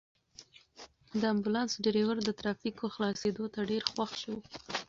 د امبولانس ډرېور د ترافیکو خلاصېدو ته ډېر خوښ شو.